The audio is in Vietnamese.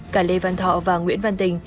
cả lê văn thọ và nguyễn văn tình